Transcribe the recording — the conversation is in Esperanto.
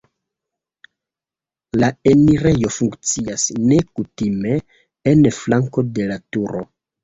La enirejo funkcias nekutime en flanko de la turo.